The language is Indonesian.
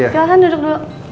silahkan duduk dulu